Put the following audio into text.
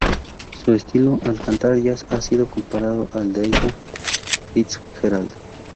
Su estilo al cantar jazz ha sido comparado al de Ella Fitzgerald.